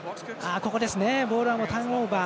ボールはもうターンオーバー